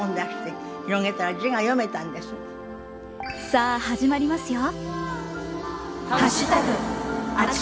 さあ始まりますよ。